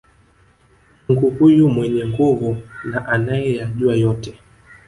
Mungu huyu mwenye nguvu na anayeyajua yote